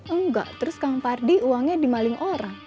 enggak terus kang pardi uangnya dimaling orang